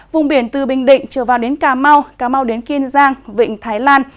vùng biển từ bình định trở vào đến cà mau cà mau đến kiên giang vịnh thái lan